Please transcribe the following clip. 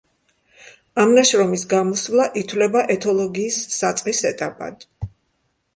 ამ ნაშრომის გამოსვლა ითვლება ეთოლოგიის საწყის ეტაპად.